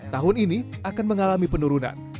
tahun ini akan mengalami penurunan